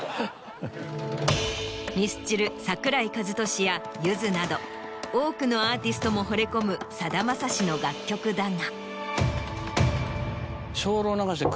ミスチル・桜井和寿やゆずなど多くのアーティストもほれ込むさだまさしの楽曲だが。